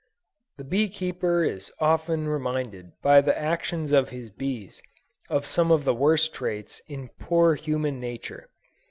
The bee keeper is very often reminded by the actions of his bees of some of the worst traits in poor human nature.